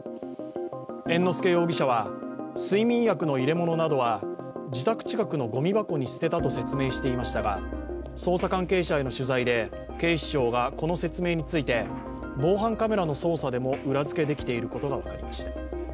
猿之助容疑者は睡眠薬の入れ物などは自宅近くのゴミ箱に捨てたと説明していましたが、捜査関係者への取材で警視庁がこの説明について防犯カメラの捜査でも裏付けできていることが分かりました。